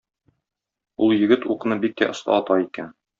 Ул егет укны бик тә оста ата икән.